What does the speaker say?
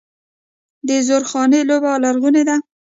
د زورخانې لوبه لرغونې ده.